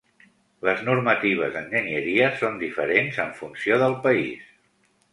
Les normatives d'enginyeria són diferents en funció del país.